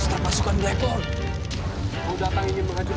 setelah sukan blackboard datang ingin mengacu